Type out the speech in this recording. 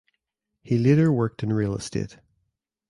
He later worked in real estate.